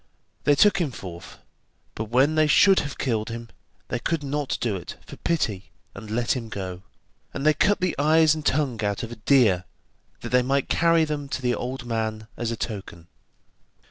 They took him forth, but when they should have killed him, they could not do it for pity, and let him go, and they cut the eyes and tongue out of a deer that they might carry them to the old man as a token.